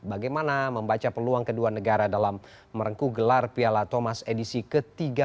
bagaimana membaca peluang kedua negara dalam merengkuh gelar piala thomas edisi ke tiga puluh